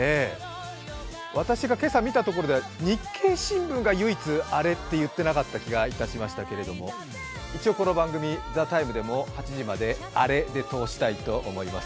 私が今朝見たところでは「日経新聞」が唯一アレと言っていなかったようですが一応、この番組、「ＴＨＥＴＩＭＥ，」でも８時までアレで通したいと思います。